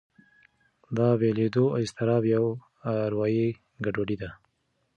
دا بېلېدو اضطراب یوه اروایي ګډوډي ده.